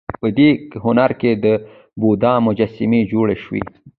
په دې هنر کې د بودا مجسمې جوړې شوې